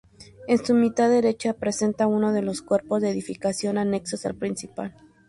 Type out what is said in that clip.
En su mitad derecha presenta uno de los cuerpos de edificación anexos al principal.